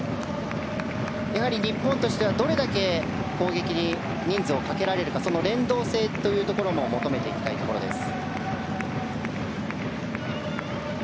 日本としては、どれだけ攻撃に人数をかけられるかその連動性というところも求めていきたいところです。